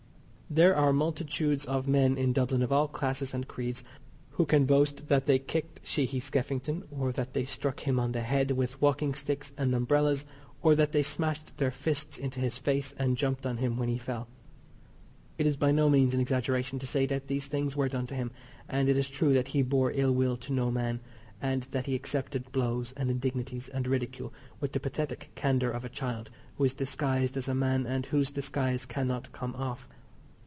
There are multitudes of men in Dublin of all classes and creeds who can boast that they kicked Sheehy Skeffington, or that they struck him on the head with walking sticks and umbrellas, or that they smashed their fists into his face, and jumped on him when he fell. It is by no means an exaggeration to say that these things were done to him, and it is true that he bore ill will to no man, and that he accepted blows, and indignities and ridicule with the pathetic candour of a child who is disguised as a man, and whose disguise cannot come off.